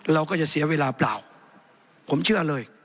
เราก็จะเสียเวลาเปล่าผมเชื่อเลย